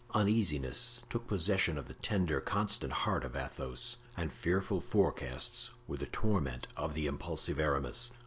Uneasiness took possession of the tender, constant heart of Athos, and fearful forecasts were the torment of the impulsive Aramis.